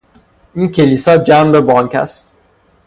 این کلیسا جَنب بانک است.